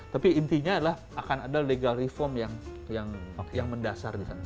tapi intinya adalah akan ada legal reform yang mendasar di sana